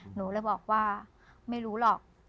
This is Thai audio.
หนูเลยบอกว่าไม่รู้หรอก